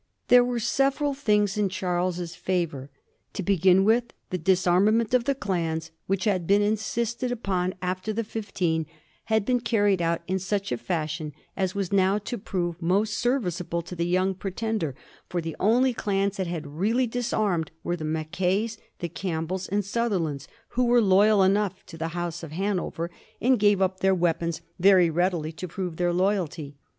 There were several things in Charles's favor. To begin with, the disarmament of the clans, which had been insisted 1715 1716. THE CHANCES IN HIS FAVOR. . 209 upon after ^^the Fifteen," had been carried out in sucb a fashion as was now to prove most serviceable to the Young Pretender ; for the only clans that had been really disarmed were the Mackays, Campbells, and Sutherlands, who were loyal enough to the House of Hanover, and gave up their weapons very readily to prove their loyalty.